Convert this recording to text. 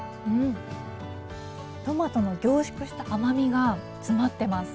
トマトの凝縮した甘みが詰まっています。